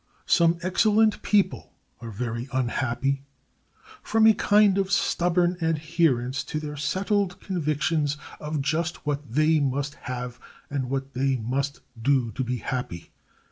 Some excellent people are very unhappy from a kind of stubborn adherence to their settled convictions of just what they must have and what they must do to be happy.